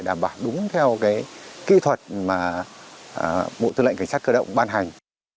đảm bảo đúng theo cái kỹ thuật mà bộ tư lệnh cảnh sát cơ động ban hành